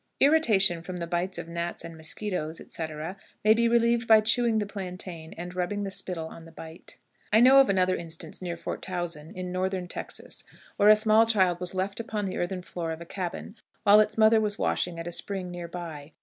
Irritation from the bite of gnats and musquitoes, etc., may be relieved by chewing the plantain, and rubbing the spittle on the bite. I knew of another instance near Fort Towson, in Northern Texas, where a small child was left upon the earthen floor of a cabin while its mother was washing at a spring near by.